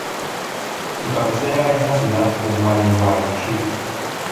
Su cabecera es la ciudad de Gualeguaychú.